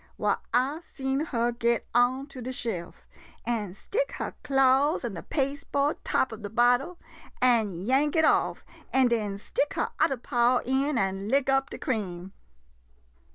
Why, I seen her get onto de shelf, an' stick her claws in de paste board top ob de bottle, and yank it off, an' den stick her udder paw in an' lick up de cream.